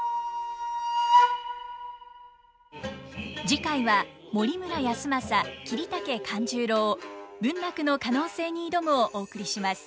次回は「森村泰昌桐竹勘十郎文楽の可能性に挑む」をお送りします。